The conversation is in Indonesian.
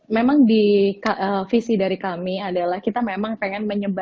memang di visi dari kami adalah kita memang pengen menyebar